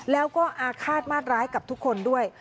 แล้วก็อาฆาตมาดร้ายกับทุกคนด้วย